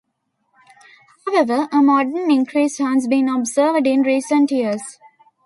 However, a moderate increase has been observed in recent years.